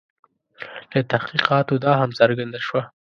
له تحقیقاتو دا هم څرګنده شوه.